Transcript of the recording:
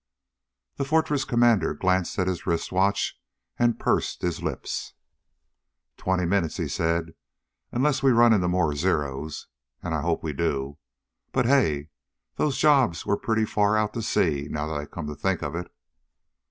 The Fortress commander glanced at his wrist watch, and pursed his lips. "Twenty minutes," he said. "Unless we run into more Zeros. And I hope we do. But hey! Those jobs were pretty far out to sea, now that I come to think of it."